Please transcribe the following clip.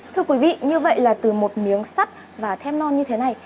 thưa quý vị như vậy là từ một miếng sắt và thép non như thế này